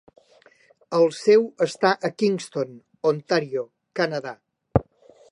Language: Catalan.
El seu està a Kingston, Ontario, Canadà.